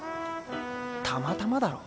たまたまだろ。